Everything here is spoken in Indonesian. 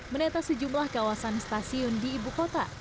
menetas sejumlah kawasan stasiun di ibu kota